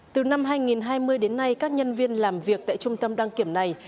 từ năm hai nghìn hai mươi đến nay các nhân viên làm việc tại trung tâm đăng kiểm này